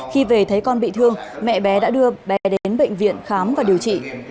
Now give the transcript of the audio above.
khi về thấy con bị thương mẹ bé đã đưa bé đến bệnh viện khám và điều trị